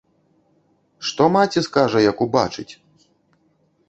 Што маці скажа, як убачыць?!